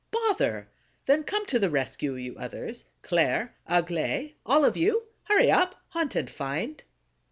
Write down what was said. "Bother! Then come to the rescue, you others! Claire, Aglaé, all of you! Hurry up, hunt and find!"